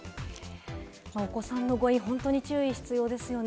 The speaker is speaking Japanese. お子さんの誤飲、本当に注意が必要ですね？